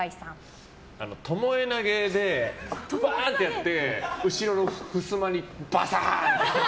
ともえ投げでうわーってやって後ろのふすまにバサーンって。